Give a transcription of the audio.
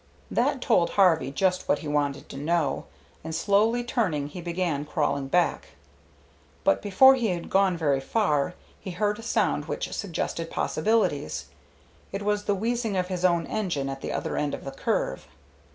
That told Harvey just what he wanted to know, and slowly turning he began crawling back. But before he had gone very far, he heard a sound which suggested possibilities. It was the wheezing of his own engine at the other end of the curve.